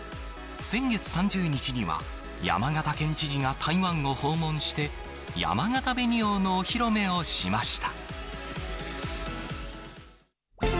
先月３０日には、山形県知事が台湾を訪問して、やまがた紅王のお披露目をしました。